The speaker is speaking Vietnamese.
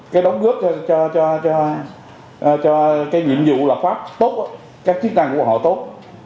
cái đóng góp cho cho cho cái nhiệm vụ lập pháp tốt các chức năng của quốc hội tốt